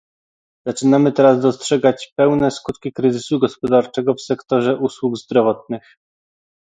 Zaczynamy teraz dostrzegać pełne skutki kryzysu gospodarczego w sektorze usług zdrowotnych